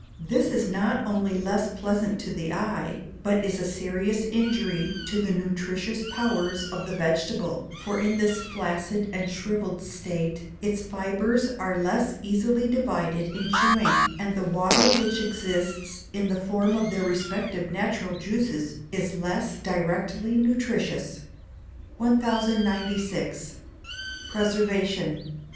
This is not only less pleasant to the eye, but is a serious injury to the nutritious powers of the vegetable; for in this flaccid and shrivelled state its fibres are less easily divided in chewing, and the water which exists in the form of their respective natural juices is less directly nutritious. 1096. Preservation.